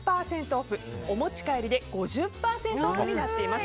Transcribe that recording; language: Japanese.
オフお持ち帰りで５０％オフになっています。